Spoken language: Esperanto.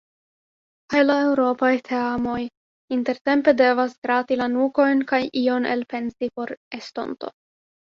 Kaj la eŭropaj teamoj intertempe devas grati la nukojn kaj ion elpensi por estonto.